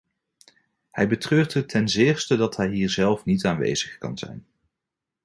Hij betreurt het ten zeerste dat hij hier zelf niet aanwezig kan zijn.